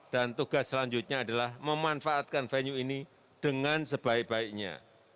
dan tugas selanjutnya adalah memanfaatkan venue ini dengan sebaik baiknya